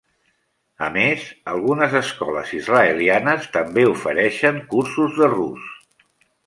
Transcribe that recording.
A més, algunes escoles israelianes també ofereixen cursos de rus.